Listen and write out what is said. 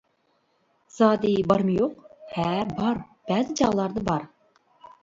-زادى بارمۇ-يوق؟ -ھە، بار، بەزى چاغلاردا بار.